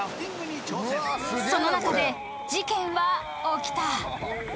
［その中で事件は起きた］